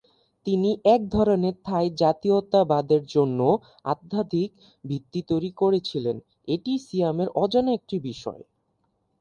তিনি এক ধরনের থাই জাতীয়তাবাদের জন্য আধ্যাত্মিক ভিত্তি তৈরি করেছিলেন, এটি সিয়ামের অজানা একটি বিষয়।